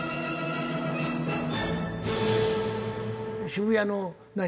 渋谷の何？